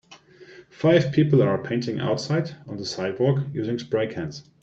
Five people are painting outside on the sidewalk using spray cans.